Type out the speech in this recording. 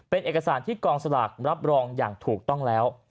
เป็นเอกสารที่กองสลากรับรองอย่างถูกต้องแล้ว